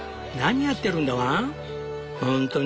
何やってるんだワン？